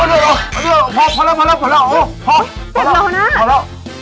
เจ็บแล้วนะเจ็บเหรอโอโฮโฮโอ๊ะโอ๊ะ